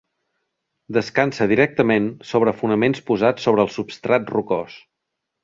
Descansa directament sobre fonaments posats sobre el substrat rocós.